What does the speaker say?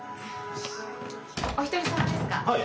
お一人さまですか？